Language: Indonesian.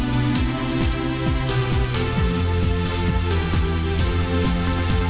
ku ingin berbicara